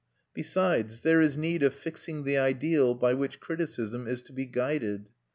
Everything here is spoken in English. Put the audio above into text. Besides, there is need of fixing the ideal by which criticism is to be guided.